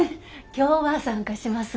今日は参加しますんで。